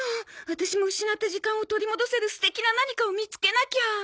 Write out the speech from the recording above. ワタシも失った時間を取り戻せる素敵な何かを見つけなきゃ。